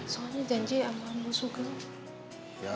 soalnya janji sama bu sugeng